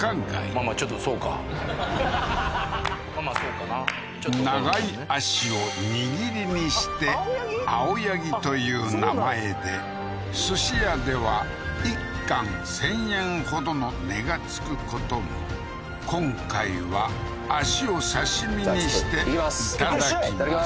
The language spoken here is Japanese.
まあまあそうかな長い足を握りにしてアオヤギという名前で寿司屋では一貫１０００円ほどの値がつくことも今回は足を刺身にしていただきます